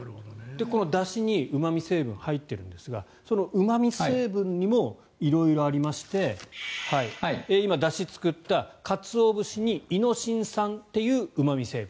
このだしにうま味成分が入っているんですがそのうま味成分にも色々ありまして今、だしを作ったカツオ節にイノシン酸といううま味成分。